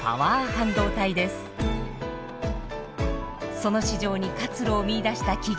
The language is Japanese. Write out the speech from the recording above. その市場に活路を見いだした企業。